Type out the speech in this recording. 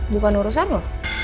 bukan urusan lo